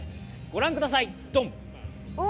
ご覧ください、ドン！